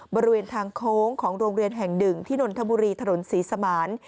บริเวณทางโค้งของโรงเรียนแห่งหนึ่งที่นนทบุรีถนนศรีสมาน